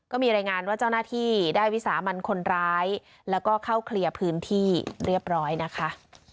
ก็มีรายงานว่าเจ้าหน้าที่ได้วิสามันคนร้ายแล้วก็เข้าเคลียร์พื้นที่เรียบร้อยนะคะ